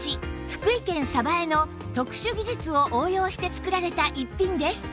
福井県江の特殊技術を応用して作られた逸品です